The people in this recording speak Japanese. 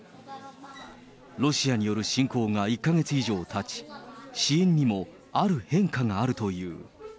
ロシアによる侵攻が１か月以上たち、支援にもある変化があるという。